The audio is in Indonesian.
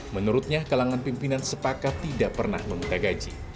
menurutnya kalangan pimpinan sepakat tidak pernah meminta gaji